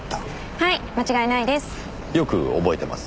はい間違いないです。